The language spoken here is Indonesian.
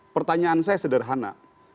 pertanyaan saya sederhana